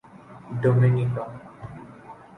Dominica